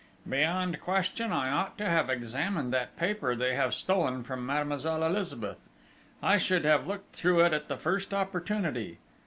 "Beyond question, I ought to have examined that paper they have stolen from Mademoiselle Elizabeth. I should have looked through it at the first opportunity.